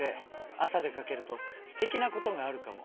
「朝出かけるとすてきなことがあるかも。